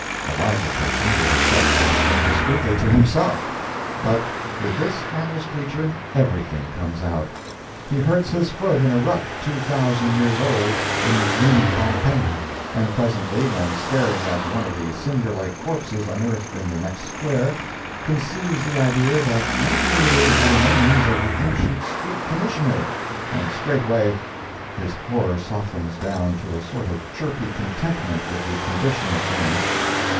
A wiser person would have kept such a thing discreetly to himself, but with this harmless creature everything comes out. He hurts his foot in a rut two thousand years old in exhumed Pompeii, and presently when staring at one of the cinder like corpses unearthed in the next square, conceives the idea that maybe it is the remains of the ancient Street Commissioner, and straightway his horror softens down to a sort of chirpy contentment with the condition of things.